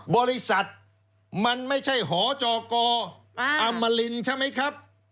บริษัทมันไม่ใช่หจกอัมรินใช่ไหมครับ